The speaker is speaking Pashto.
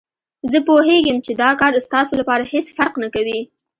زه پوهېږم چې دا کار ستاسو لپاره هېڅ فرق نه کوي.